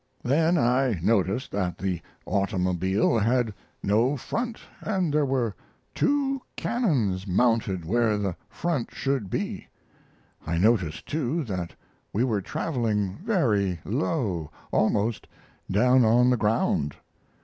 "Then I noticed that the automobile had no front, and there were two cannons mounted where the front should be. I noticed, too, that we were traveling very low, almost down on the ground.